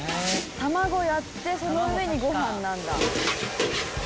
「たまごやってその上にご飯なんだ」